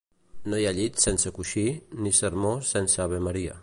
No hi ha llit sense coixí, ni sermó sense Ave Maria.